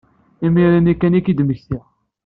Imir-nni kan ay k-id-mmektiɣ.